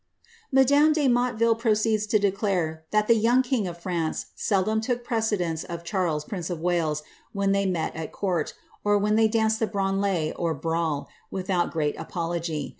''' Madame de Motteville proceeds to declare that the young king of France seldom took precedence of Charles, prince of Wales, when tliey met at court, or when they danced the hranle or brawl, without great apology.